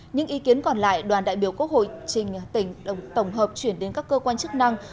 những ý kiến còn lại đoàn đại biểu quốc hội trình tổng hợp chuyển đến các cơ quan chức năng